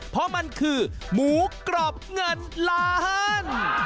เพราะมันคือหมูกรอบเงินล้าน